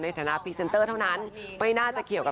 แล้วก็อนาคตของเราประมาณนั้นอีก